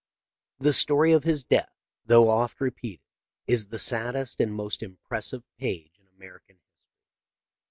The story of his death, though oft repeated, is the saddest and most impressive page in American his tory.